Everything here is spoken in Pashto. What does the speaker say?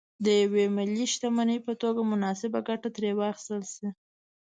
د یوې ملي شتمنۍ په توګه مناسبه ګټه ترې واخیستل شي.